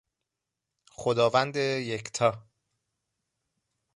خداوند یکتا